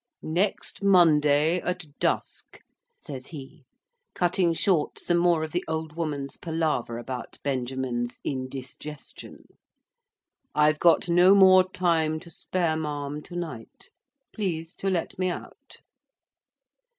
"Next Monday, at dusk," says he, cutting short some more of the old woman's palaver about Benjamin's indisgestion. "I've got no more time to spare, ma'am, to night: please to let me out."